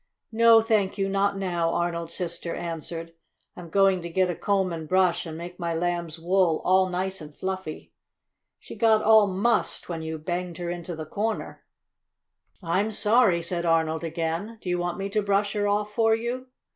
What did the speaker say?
"No, thank you, not now," Arnold's sister answered. "I'm going to get a comb and brush and make my Lamb's wool all nice and fluffy. She got all mussed when you banged her into the corner." "I'm sorry," said Arnold again. "Do you want me to brush her off for you?"